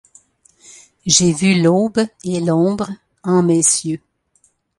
J’ai vu l’aube et l’ombre en mes cieux.